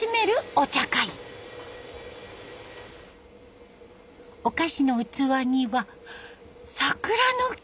お菓子の器には桜の木！